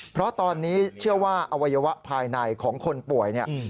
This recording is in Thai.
เพราะตอนนี้เชื่อว่าอวัยวะภายในของคนป่วยเนี่ย